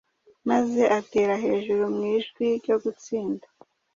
maze atera hejuru mu ijwi ryo gutsinda